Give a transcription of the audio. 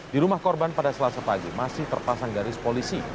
di rumah korban pada selasa pagi masih terpasang garis polisi